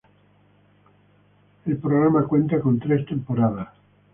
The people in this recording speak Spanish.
El programa cuenta con tres temporadas.